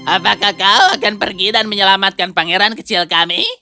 apakah kau akan pergi dan menyelamatkan pangeran kecil kami